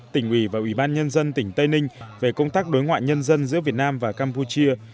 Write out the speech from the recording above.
tỉnh ủy và ủy ban nhân dân tỉnh tây ninh về công tác đối ngoại nhân dân giữa việt nam và campuchia